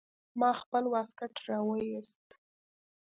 ما خپل واسکټ راوايست.